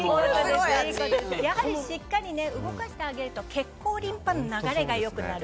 やはりしっかり動かしてあげると血行、リンパの流れが良くなる。